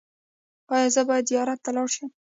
ایا زه باید زیارت ته لاړ شم؟